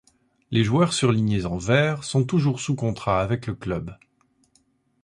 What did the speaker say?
Les joueurs surlignés en vert sont toujours sous contrat avec le club.